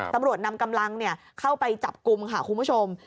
ตำรวจนำกำลังเข้าไปจับกลุ่มค่ะคุณผู้ชม